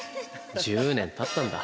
１０年たったんだ。